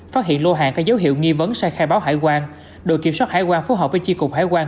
phát hiện lô hàng có dấu hiệu nghi vấn sai khai báo hải quan đội kiểm soát hải quan phù hợp với tri cục hải quan